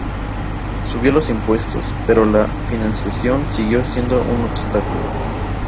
Subió los impuestos, pero la financiación siguió siendo un obstáculo.